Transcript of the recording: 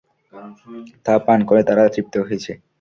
তা পান করে তারা তৃপ্ত হয়েছে।